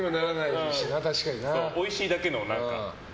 おいしいだけの何か。